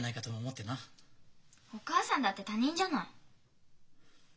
お母さんだって他人じゃない！